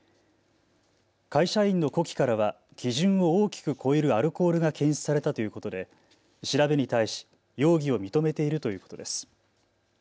会社員の呼気からは基準を大きく超えるアルコールが検出されたということで調べに対し容疑を認めているということです。